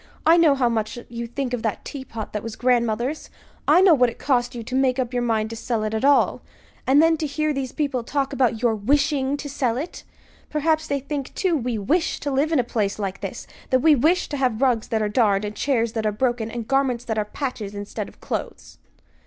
"I know how much you think of that teapot that was grandmother's. I know what it cost you to make up your mind to sell it at all. And then to hear these people talk about your wishing to sell it! Perhaps they think, too, we wish to live in a place like this; that we wish to have rugs that are darned, and chairs that are broken, and garments that are patches instead of clothes!"